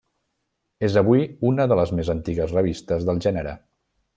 És avui una de les més antigues revistes del gènere.